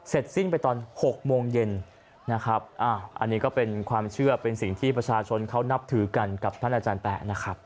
สิ้นไปตอน๖โมงเย็นนะครับอันนี้ก็เป็นความเชื่อเป็นสิ่งที่ประชาชนเขานับถือกันกับท่านอาจารย์แป๊ะนะครับ